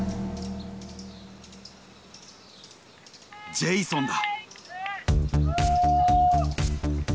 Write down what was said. ジェイソンだ。